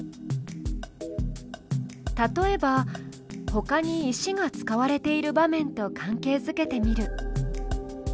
例えばほかに石が使われている場面と関係づけてみる。